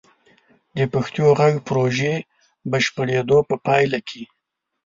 د پښتو غږ پروژې بشپړیدو په پایله کې: